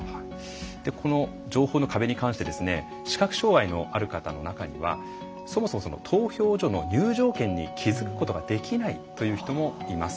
この情報の壁に関して視覚障害のある方の中にはそもそも、投票所の入場券に気付くことができないという方もいます。